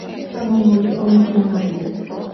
სამამულო ომის მონაწილე.